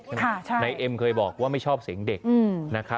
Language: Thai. ใช่ไหมนายเอ็มเคยบอกว่าไม่ชอบเสียงเด็ก